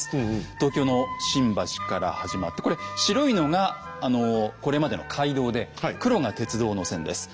東京の新橋から始まってこれ白いのがこれまでの街道で黒が鉄道の線です。